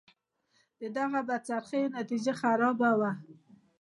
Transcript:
د دغو بدخرڅیو نتیجه خرابه وه.